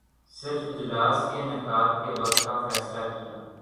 صرف اجلاس کے انعقاد کے وقت کا فیصلہ کیا